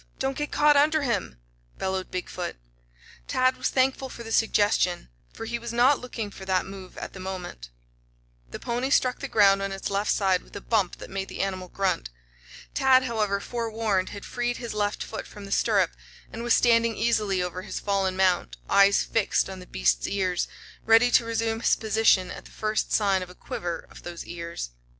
Don't get caught under him!" bellowed Big foot. Tad was thankful for the suggestion, for he was not looking for that move at the moment. The pony struck the ground on its left side with a bump that made the animal grunt. Tad, however, forewarned, had freed his left foot from the stirrup and was standing easily over his fallen mount, eyes fixed on the beast's ears, ready to resume his position at the first sign of a quiver of those ears.